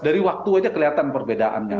dari waktu saja kelihatan perbedaannya